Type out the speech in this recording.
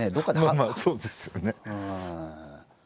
まあそうですよね。